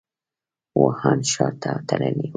ووهان ښار ته تللی و.